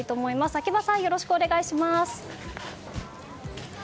秋葉さん、よろしくお願いします。